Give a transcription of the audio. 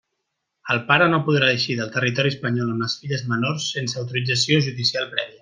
El pare no podrà eixir del territori espanyol amb les filles menors sense autorització judicial prèvia.